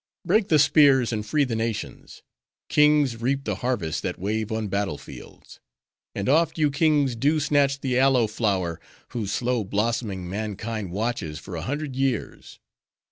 Break the spears, and free the nations. Kings reap the harvests that wave on battle fields. And oft you kings do snatch the aloe flower, whose slow blossoming mankind watches for a hundred years.